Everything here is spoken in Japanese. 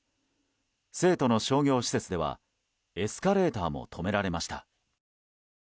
成都の商業施設ではエスカレーターも止められました。